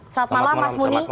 selamat malam mas muni